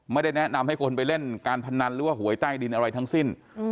ไม่ได้แนะนำให้คนไปเล่นการพนันหรือว่าหวยใต้ดินอะไรทั้งสิ้น